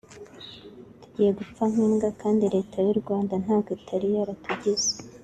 tugiye gupfa nk’imbwa kandi Leta y’u Rwanda ntako itari yaratugize